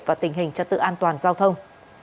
và tình hình cho tự an toàn giao thông